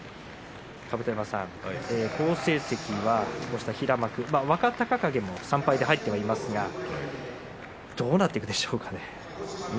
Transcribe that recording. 甲山さん、好成績はこうした平幕若隆景も３敗で入ってはいますがどうなっていくでしょうかね。